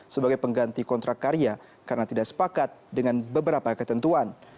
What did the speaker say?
sebagai pengganti kontrak karya karena tidak sepakat dengan beberapa ketentuan